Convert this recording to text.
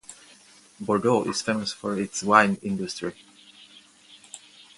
Bordeaux is famous for its wine industry.